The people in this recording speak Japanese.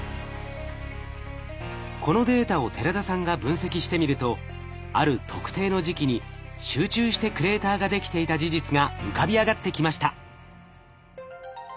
このデータを寺田さんが分析してみるとある特定の時期に集中してクレーターができていた事実が浮かび上がってきました。